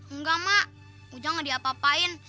enggak mak ujang nggak diapa apain